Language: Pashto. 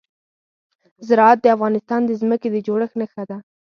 زراعت د افغانستان د ځمکې د جوړښت نښه ده.